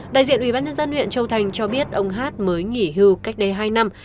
đại diện ủy ban nhân dân huyện châu thành cho biết ông hát mới nghỉ hưu cách đây hai năm